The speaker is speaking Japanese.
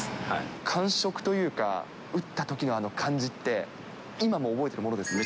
感触というか、打ったときのあの感じって、今も覚えているものですか。